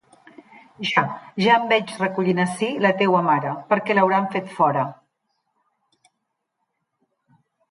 Ja, ja em veig recollint ací la teua mare, perquè l'hauran feta fora.